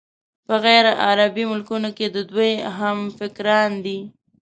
په غیرعربي ملکونو کې د دوی همفکران دي.